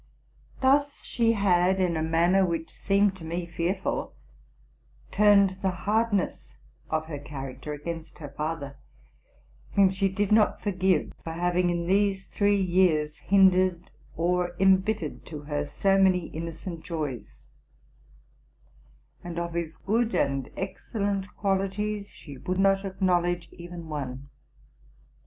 Thus she had, in a manner which seemed to me fearful, turned the hardness of her character against her father, whom she did not for give for having, in these three years, hindered, or embittered to her, so many innocent joys; and of his good and excellent qualities she would not acknowledge even one.